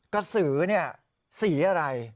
กระสือเนี่ยสีอะไร